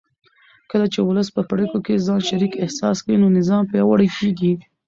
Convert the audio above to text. کله چې ولس په پرېکړو کې ځان شریک احساس کړي نو نظام پیاوړی کېږي